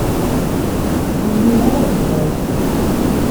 Ur lliɣ ara beddeɣ din.